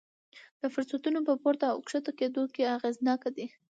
د فرصتونو په پورته او ښکته کېدو کې اغېزناک دي.